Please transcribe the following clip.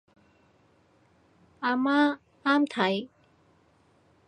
阿媽啱睇